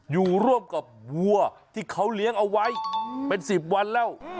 อยู่ร่วมกับวัวที่เขาเลี้ยงเอาไว้เป็น๑๐วันแล้ว